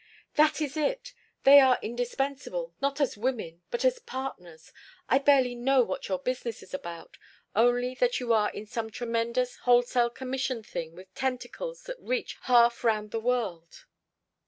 "That is it! They are indispensable not as women, but as partners. I barely know what your business is about only that you are in some tremendous wholesale commission thing with tentacles that reach half round the world.